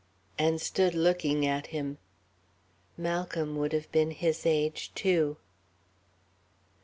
and stood looking at him. Malcolm would have been his age, too.